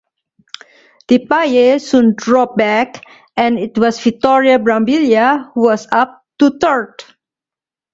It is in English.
Depailler soon dropped back, and it was Vittorio Brambilla who was up to third.